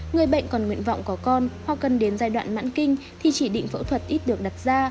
người bệnh còn nguyện vọng có con hoặc cần đến giai đoạn mãn kinh thì chỉ định phẫu thuật ít được đặt ra